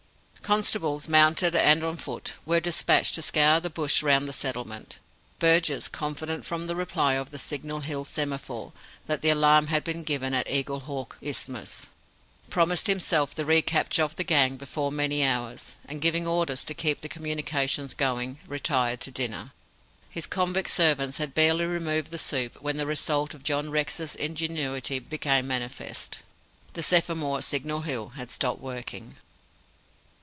Constables, mounted and on foot, were despatched to scour the bush round the settlement. Burgess, confident from the reply of the Signal Hill semaphore, that the alarm had been given at Eaglehawk Isthmus, promised himself the re capture of the gang before many hours; and, giving orders to keep the communications going, retired to dinner. His convict servants had barely removed the soup when the result of John Rex's ingenuity became manifest. The semaphore at Signal Hill had stopped working.